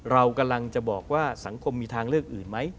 เรากำลังจะบอกว่าสังคมมีทางเลือกอื่นไหม